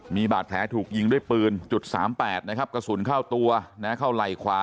มีบาดแผลถูกยิงด้วยปืน๓๘นะครับกระสุนเข้าตัวเข้าไหล่ขวา